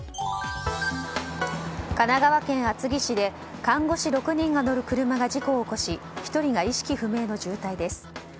神奈川県厚木市で看護師６人が乗る車が事故を起こし１人が意識不明の重体です。